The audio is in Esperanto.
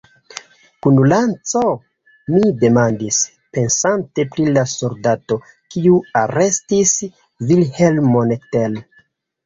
Kun lanco? mi demandis, pensante pri la soldato, kiu arestis Vilhelmon Tell.